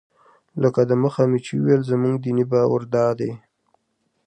لکه دمخه مې چې وویل زموږ دیني باور دادی.